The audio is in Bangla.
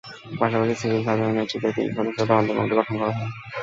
পাশাপাশি সিভিল সার্জনের নেতৃত্বে তিন সদস্যের তদন্ত কমিটি গঠন করা হয়।